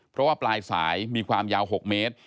เพราะว่าปลายสายมีความยาว๖เมตร